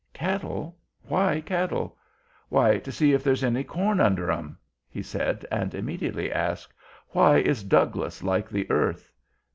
"Cattle? Why cattle?" "Why, to see if there's any corn under 'em!" he said; and immediately asked, "Why is Douglas like the earth?"